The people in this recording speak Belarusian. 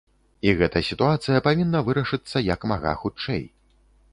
І гэта сітуацыя павінна вырашыцца як мага хутчэй.